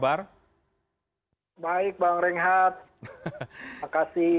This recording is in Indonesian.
baik orangnya makasih oke baik dan juga ada mas nirdiy itu untuk mengingat sendiri apa kabar